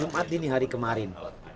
jumat ini hari kemarin